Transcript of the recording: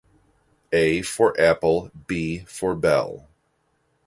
A for apple, b for bell